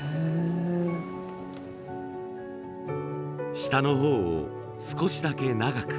下の方を少しだけ長く。